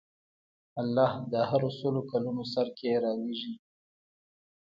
الله د هرو سلو کلونو سر کې رالېږي.